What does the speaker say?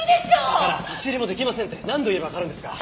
だから差し入れも出来ませんって何度言えばわかるんですか。